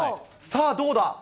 さあ、どうだ？